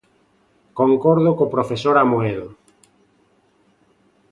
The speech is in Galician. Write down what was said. Concordo co profesor Amoedo.